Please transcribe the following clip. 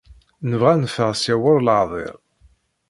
Nebɣa ad neffeɣ ssya war leɛḍil.